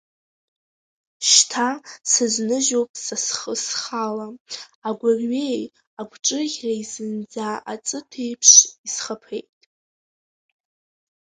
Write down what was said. Шьҭа сазныжьуп са схы схала, агәырҩеи агәҿыӷьреи зынӡа аҵыҭәеиԥш исхаԥеит…